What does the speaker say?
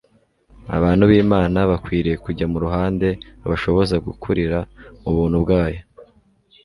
abantu b'imana bakwiriye kujya mu ruhande rubashoboza gukurira mu buntu bwayo